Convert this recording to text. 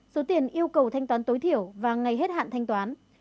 số tiền yêu cầu thanh toán tối thiểu và ngày hết hạn thanh toán